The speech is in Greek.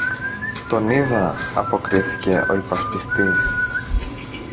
τον είδα, αποκρίθηκε ο υπασπιστής.